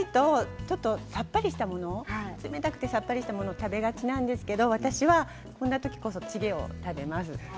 暑いと冷たくてさっぱりしたものを食べがちなんですけど私は、そんな時こそチゲを食べます。